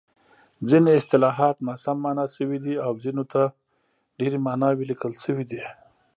ځیني اصطلاحات ناسم مانا شوي دي او ځینو ته ډېرې ماناوې لیکل شوې دي.